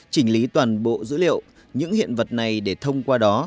chỉnh lý toàn bộ dữ liệu những hiện vật này để thông qua đó